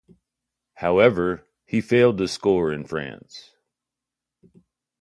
However, he failed to score in France.